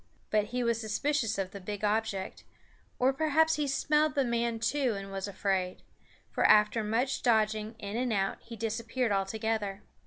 But he was suspicious of the big object, or perhaps he smelled the man too and was afraid, for after much dodging in and out he disappeared altogether.